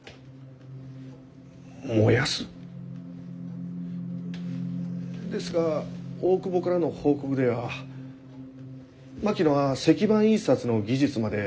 燃やす？ですが大窪からの報告では槙野は石版印刷の技術まで習得したそうです。